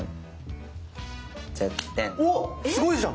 おすごいじゃん！